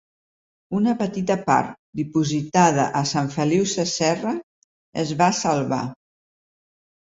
Una petita part, dipositada a Sant Feliu Sasserra, es va salvar.